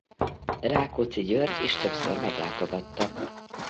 Rákóczi György is többször meglátogatta.